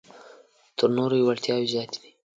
تر نورو یې وړتیاوې زیاتې دي.